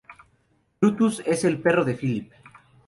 Brutus es el perro de Philippe.